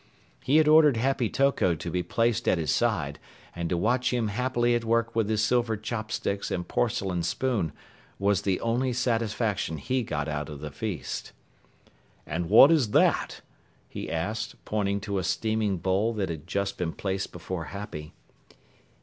He had ordered Happy Toko to be placed at his side, and to watch him happily at work with his silver chopsticks and porcelain spoon was the only satisfaction he got out of the feast. "And what is that?" he asked, pointing to a steaming bowl that had just been placed before Happy.